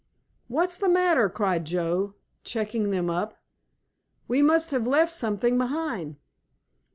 "What's the matter?" cried Joe, checking them up. "We must have left something behind!"